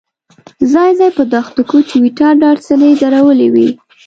ځای ځای په دښتو کې ټویوټا ډاډسنې درولې وې.